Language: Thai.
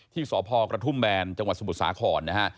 ที่สพกระทุ่มแบนจังหวัดสมุทรสาครนะฮะ